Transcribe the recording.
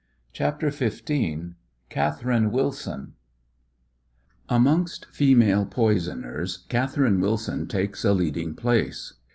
CHAPTER XV CATHERINE WILSON Amongst female poisoners Catherine Wilson takes a leading place.